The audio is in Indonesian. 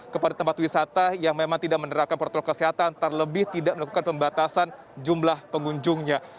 kepada tempat wisata yang memang tidak menerapkan protokol kesehatan terlebih tidak melakukan pembatasan jumlah pengunjungnya